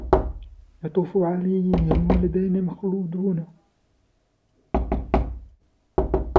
يَطُوفُ عَلَيْهِمْ وِلْدَانٌ مُّخَلَّدُونَ